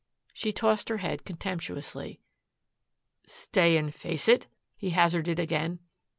She tossed her head contemptuously. "Stay and face it?" he hazarded again.